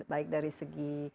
baik dari segi